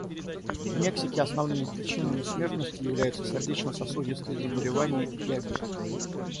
В Мексике основными причинами смертности являются сердечно-сосудистые заболевания и диабет.